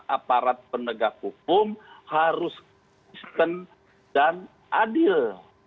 aparat penegak hukum harus konsisten dan adil